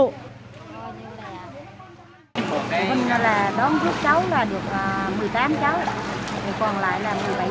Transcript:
phụ huynh là đón trước cháu là được một mươi tám cháu còn lại là một mươi bảy cháu bị kẹt trong trường tại phụ huynh tới